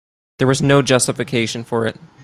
There was no justification for it.